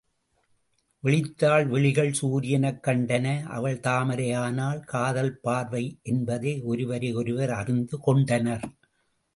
விழித்தாள் விழிகள் சூரியனைக் கண்டன அவள் தாமரை ஆனாள் காதல் பார்வை என்பதை ஒருவரை ஒருவர் அறிந்து கொண்டனர்.